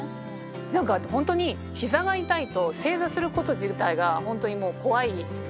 何か本当にひざが痛いと正座すること自体が本当にもう怖い。